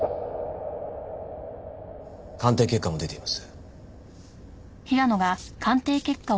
鑑定結果も出ています。